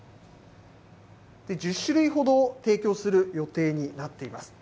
１０種類ほど提供する予定になっています。